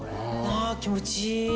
あ気持ちいい。